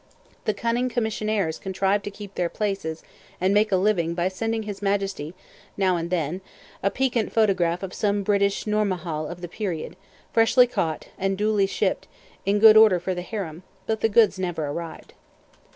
The cunning commissionnaires contrived to keep their places and make a living by sending his Majesty, now and then, a piquant photograph of some British Nourmahal of the period, freshly caught, and duly shipped, in good order for the harem; but the goods never arrived.